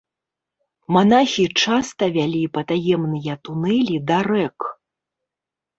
Манахі часта вялі патаемныя тунэлі да рэк.